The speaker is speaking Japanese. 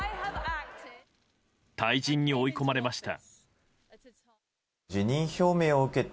退陣に追い込まれました。